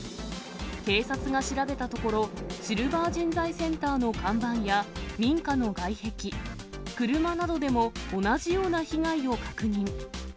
警察が調べたところ、シルバー人材センターの看板や、民家の外壁、車などでも同じような被害を確認。